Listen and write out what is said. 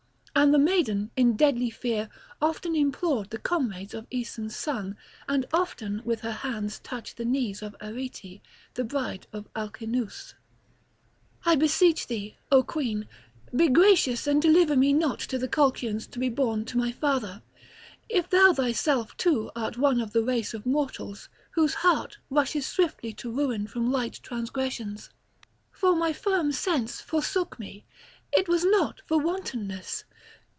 And the maiden in deadly fear often implored the comrades of Aeson's son, and often with her hands touched the knees of Arete, the bride of Aleinous: "I beseech thee, O queen, be gracious and deliver me not to the Colchians to be borne to my father, if thou thyself too art one of the race of mortals, whose heart rushes swiftly to ruin from light transgressions. For my firm sense forsook me—it was not for wantonness.